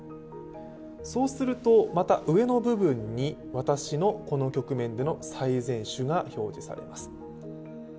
そうすると、また上の部分に私のこの局面での最善手が表示されます。